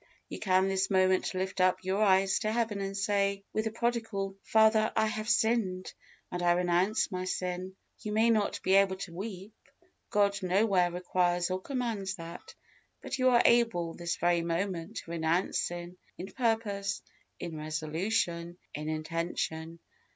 You can this moment lift up your eyes to Heaven, and say, with the prodigal, "Father, I have sinned, and I renounce my sin." You may not be able to weep God nowhere requires or commands that; but you are able, this very moment, to renounce sin, in purpose, in resolution, in intention.